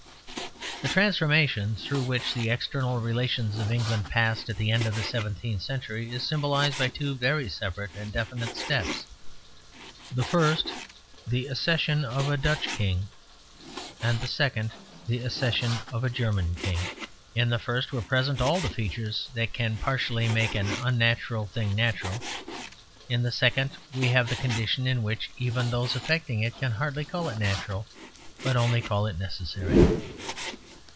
The transformation through which the external relations of England passed at the end of the seventeenth century is symbolized by two very separate and definite steps; the first the accession of a Dutch king and the second the accession of a German king. In the first were present all the features that can partially make an unnatural thing natural. In the second we have the condition in which even those effecting it can hardly call it natural, but only call it necessary.